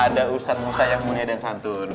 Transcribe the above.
ada ustadz musa yang mulia dan santun